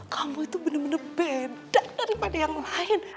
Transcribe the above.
kamu tuh bener bener beda daripada yang lain